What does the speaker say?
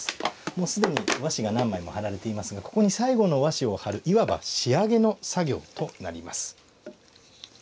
もう既に和紙が何枚も貼られていますがここに最後の和紙を貼るいわば仕上げの作業となります。